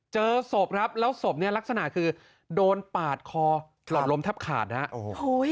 เจอศพครับแล้วศพเนี่ยลักษณะคือโดนปาดคอหลอดลมแทบขาดนะฮะโอ้โห